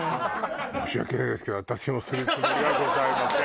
申し訳ないですけど私もするつもりはございません。